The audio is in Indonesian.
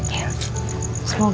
yaudah aku masuk ya